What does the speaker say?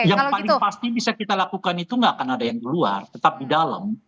yang paling pasti bisa kita lakukan itu nggak akan ada yang keluar tetap di dalam